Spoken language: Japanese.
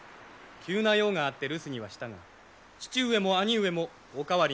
急な用があって留守にはしたが父上も兄上もお変わりないのであろう？